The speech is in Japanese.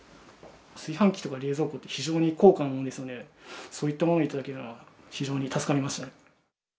炊飯器とか冷蔵庫って、非常に高価なものですので、そういったものを頂けるのは、非常に助かりましたね。